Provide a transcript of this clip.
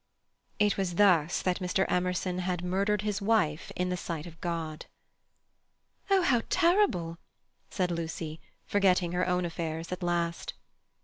It was thus that Mr. Emerson had murdered his wife in the sight of God. "Oh, how terrible!" said Lucy, forgetting her own affairs at last.